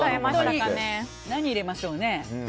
何を入れましょうね？